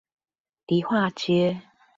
迪化街